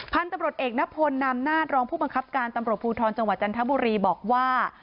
พันธุ์ตำรวจเอกนพลนามนาฏรองผู้บังคับการตำรวจภูทรจังหวัดจันทบุรีบอกว่า